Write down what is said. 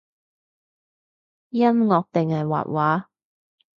音樂定係畫畫？